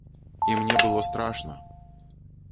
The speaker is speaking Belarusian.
І мне было страшна!